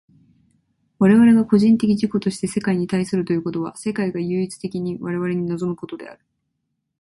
我々が個人的自己として世界に対するということは、世界が唯一的に我々に臨むことである。